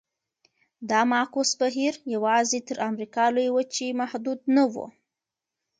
دا معکوس بهیر یوازې تر امریکا لویې وچې محدود نه و.